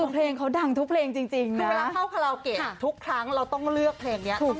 เพลงเขาดั่งทุกเพลงจริงจริงนะทุกครั้งเราต้องเลือกเพลงนี้